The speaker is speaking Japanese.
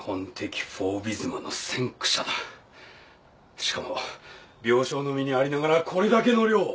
しかも病床の身にありながらこれだけの量を。